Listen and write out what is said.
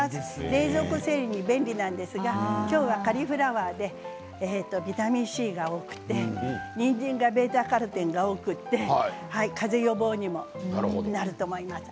冷蔵庫整理便利なんですが今日はカリフラワーでビタミンＣが多くてにんじんはベータカロテンが多くてかぜ予防にもなると思います。